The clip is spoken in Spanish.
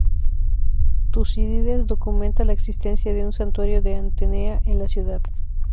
Tucídides documenta la existencia de un santuario de Atenea en la ciudad.